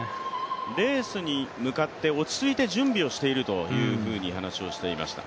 レースに向かって落ち着いて準備をしていると話をしていました。